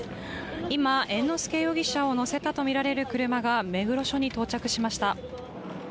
今猿之助容疑者を乗せたとみられる車が目黒署に到着しました。